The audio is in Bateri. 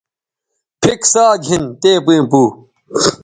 پِھک ساگِھن تے پئیں پو